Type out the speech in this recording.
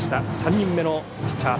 ３人目のピッチャー